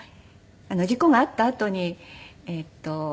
事故があったあとにえっと。